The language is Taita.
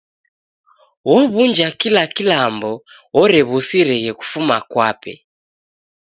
Ow'unja kila kilambo orew'usireghe kufuma kwape.